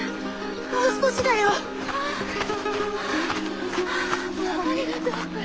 ・もう少しだよ。ありがとう。